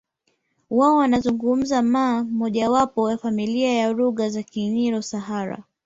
Wao wanazungumza Maa mojawapo ya familia ya lugha za Kinilo Sahara